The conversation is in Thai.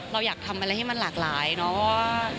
เราอยากทำอะไรให้มันหลากหลายเนาะ